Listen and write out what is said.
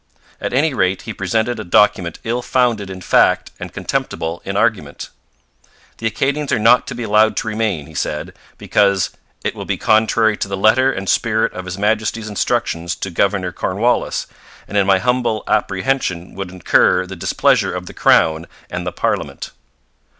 At any rate, he presented a document ill founded in fact and contemptible in argument. The Acadians are not to be allowed to remain, he said, because 'it will be contrary to the letter and spirit of His Majesty's instructions to Governor Cornwallis, and in my humble apprehension would incur the displeasure of the crown and the parliament.'